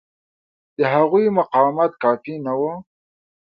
د هغوی مقاومت کافي نه و.